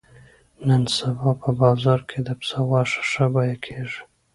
نن سبا په بازار کې د پسه غوښه ښه بیه کېږي.